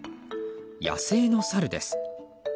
野生のサルです。